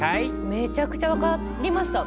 めちゃくちゃ分かりました。